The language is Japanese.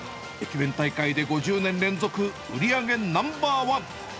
駅弁大会で５０年連続売り上げナンバー１。